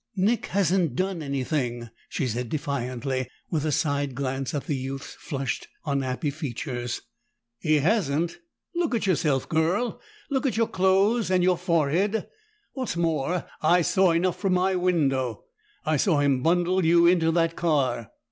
"Nick hasn't done anything," she said defiantly, with a side glance at the youth's flushed, unhappy features. "He hasn't? Look at yourself, girl! Look at your clothes, and your forehead! What's more, I saw enough from my window; I saw him bundle you into that car!"